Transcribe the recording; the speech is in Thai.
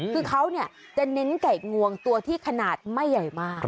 คือเขาจะเน้นไก่งวงตัวที่ขนาดไม่ใหญ่มาก